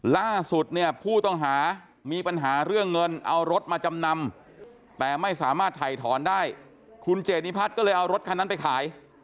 ล่าสุดเนี่ยผู้ต้องหามีปัญหาเรื่องเงินเอารถมาจำนำแต่ไม่สามารถถ่ายถอนได้คุณเจนิพัฒน์ก็เลยเอารถคันนั้นไปขาย